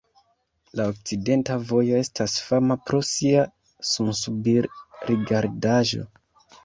La okcidenta vojo estas fama pro sia sunsubir-rigardaĵo.